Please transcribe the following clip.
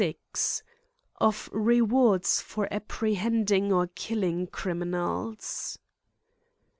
OfUewardsfor apprehending or killing Criminals.